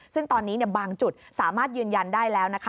ซึ่งตอนนี้บางจุดสามารถยืนยันได้แล้วนะคะ